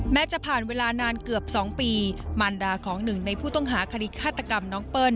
จะผ่านเวลานานเกือบ๒ปีมารดาของหนึ่งในผู้ต้องหาคดีฆาตกรรมน้องเปิ้ล